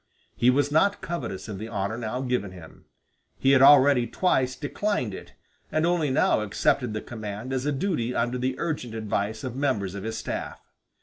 He was not covetous of the honor now given him. He had already twice declined it, and only now accepted the command as a duty under the urgent advice of members of his staff.